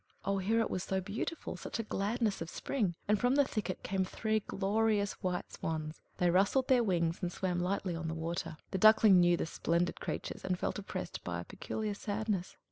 Oh, here it was so beautiful, such a gladness of spring! and from the thicket came three glorious white swans; they rustled their wings, and swam lightly on the water. The Duckling knew the splendid creatures, and felt oppressed by a peculiar sadness.